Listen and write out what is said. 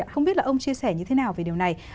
tôi muốn biết là ông chia sẻ như thế nào về điều này